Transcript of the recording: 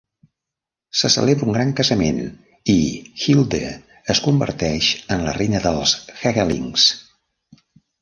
Se celebra un gran casament i Hilde es converteix en la reina dels Hegelings.